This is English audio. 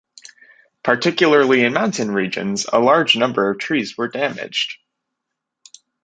Particularly in mountain regions, a large number of trees were damaged.